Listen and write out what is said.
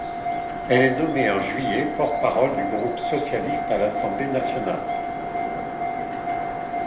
Elle est nommée, en juillet, porte-parole du groupe socialiste à l'Assemblée nationale.